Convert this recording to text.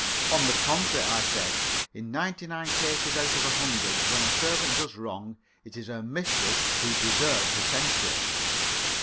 "On the contrary," I said, "in ninety nine cases out of a hundred when a servant does wrong it is her mistress who deserves the censure."